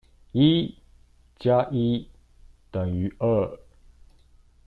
一加一等於二。